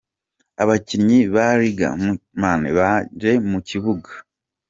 Abakinnyi ba Liga Muçulmana babnje mu kibuga.